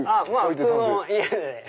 普通の家で。